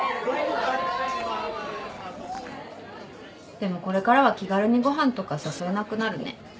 でもこれからは気軽にごはんとか誘えなくなるね。